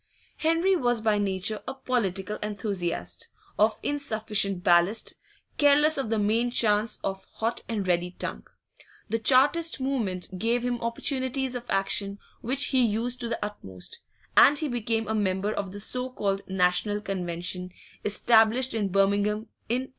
Henry was by nature a political enthusiast, of insufficient ballast, careless of the main chance, of hot and ready tongue; the Chartist movement gave him opportunities of action which he used to the utmost, and he became a member of the so called National Convention, established in Birmingham in 1839.